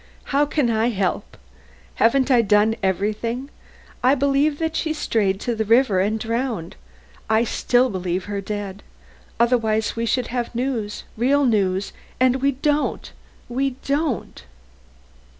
How can I help? Haven't I done everything? I believe that she strayed to the river and was drowned. I still believe her dead. Otherwise we should have news real news and we don't, we don't."